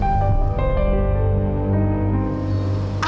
ini dia kan